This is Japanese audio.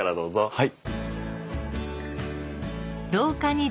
はい。